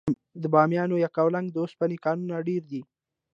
د بامیان د یکاولنګ د اوسپنې کانونه ډیر دي.